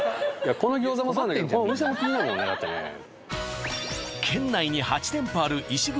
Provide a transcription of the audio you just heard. この餃子もそうなんだけどこのお店も気になるもんね県内に８店舗あるいしぐ